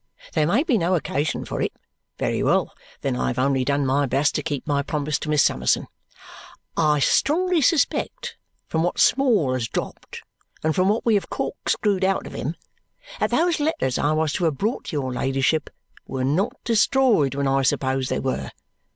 There may be no occasion for it. Very well. Then I have only done my best to keep my promise to Miss Summerson. I strongly suspect (from what Small has dropped, and from what we have corkscrewed out of him) that those letters I was to have brought to your ladyship were not destroyed when I supposed they were.